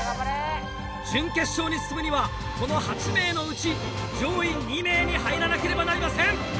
準決勝に進むにはこの８名のうち上位２名に入らなければなりません！